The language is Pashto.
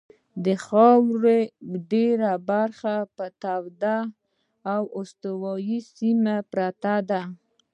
د خاورې ډېره برخه په توده او استوایي سیمه پرته ده.